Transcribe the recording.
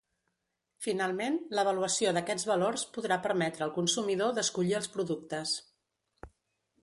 Finalment, l'avaluació d'aquests valors podrà permetre al consumidor d'escollir els productes.